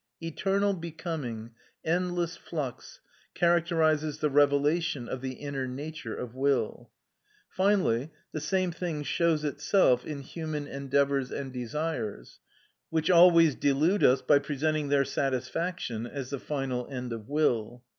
Eternal becoming, endless flux, characterises the revelation of the inner nature of will. Finally, the same thing shows itself in human endeavours and desires, which always delude us by presenting their satisfaction as the final end of will.